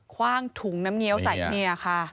ว่างถุงน้ำเงี้ยวใส่เนี่ยค่ะ